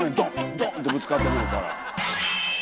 ドン！ってぶつかってくるから。